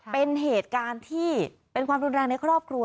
เป็นเหตุการณ์ที่เป็นความรุนแรงในครอบครัว